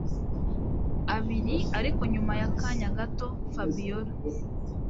abiri ariko nyuma yakanya gato Fabiora